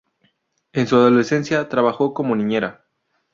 En su adolescencia trabajó como niñera.